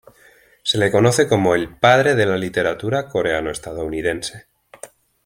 Se lo conoce como "el padre de la literatura coreano-estadounidense".